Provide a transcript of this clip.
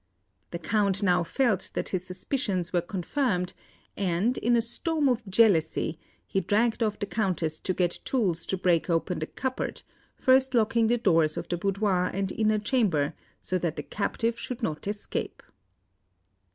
The Count now felt that his suspicions were confirmed, and, in a storm of jealousy, he dragged off the Countess to get tools to break open the cupboard, first locking the doors of the boudoir and inner chamber so that the captive should not escape.